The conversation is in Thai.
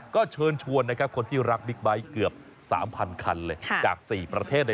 ก็เชิญชวนคนที่รักบิ๊กไบท์เกือบ๓๐๐๐คันเลยจาก๔ประเทศเลยนะ